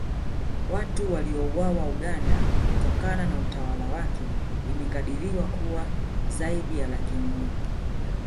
Watu waliouawa Uganda kutokana na utawala wake imekadiriwa kuwa zaidi ya laki nne